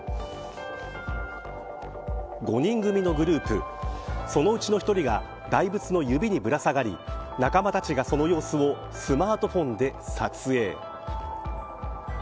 ５人組のグループそのうちの１人が大仏の指にぶら下がり仲間たちがその様子をスマートフォンで撮影。